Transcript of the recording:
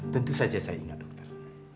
tentu saja saya ingat dokter